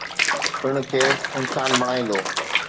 ، پڻ کيس انسان بڻائيندو.